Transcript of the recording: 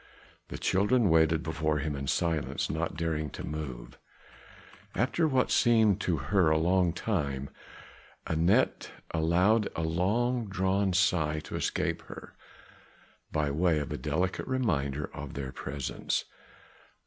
The children waited before him in silence, not daring to move. After what seemed to her a long time, Anat allowed a long drawn sigh to escape her, by way of a delicate reminder of their presence.